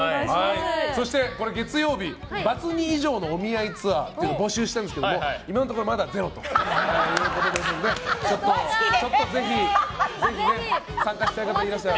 そして、月曜日、バツ２以上のお見合いツアーっていうのを募集したんですけども今のところまだゼロということですのでぜひ参加したい方いらしたら。